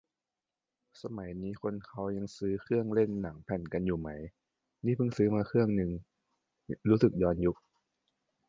สมัยนี้คนเขายังซื้อเครื่องเล่นหนังแผ่นกันอยู่ไหม นี่เพิ่งซื้อมาเครื่องนึง รู้สึกย้อนยุค